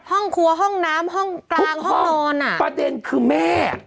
ห้องครัวห้องน้ำห้องกลางห้องนอนอะ